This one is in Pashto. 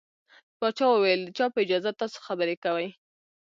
پاچا وويل د چا په اجازه تاسو خبرې کوٸ.